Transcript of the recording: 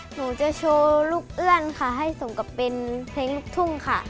หนูจะโชว์ลูกเอื้อนค่ะให้สมกับเป็นเพลงลูกทุ่งค่ะ